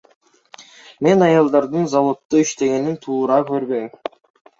Мен аялдардын заводдо иштегенин туура көрбөйм.